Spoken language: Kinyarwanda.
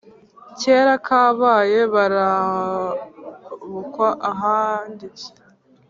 kera kabaye barabukwa ahanditse